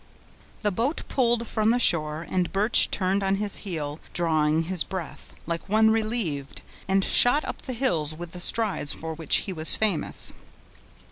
The boat pulled from the shore, and Birch turned on his heel, drawing his breath, like one relieved, and shot up the hills with the strides for which he was famous.